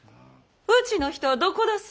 うちの人はどこだす？